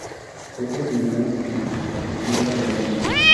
Ojos medianos con la pupila redonda.